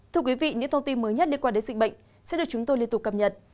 thưa quý vị những thông tin mới nhất liên quan đến dịch bệnh sẽ được chúng tôi liên tục cập nhật